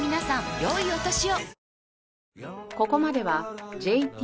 良いお年を。